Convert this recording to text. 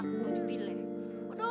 aduh lu mewek mulu